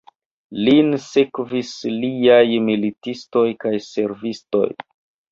Lin sekvis liaj militistoj kaj servistoj.